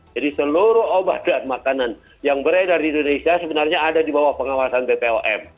jadi seluruh obat dan makanan yang beredar di indonesia sebenarnya ada di bawah pengawasan bpom